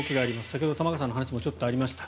先ほど玉川さんのお話にもちょっとありました。